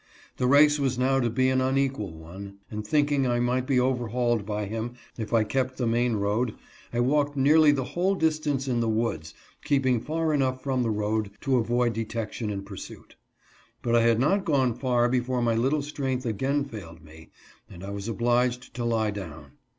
The race was now to be an unequal one, and thinking I might be overhauled by him if I kept the main road, I walked nearly the whole distance in the woods, keeping far enough from the road to avoid detec tion and pursuit. But I had not gone far before my little strength again failed me, and I was obliged to lie down.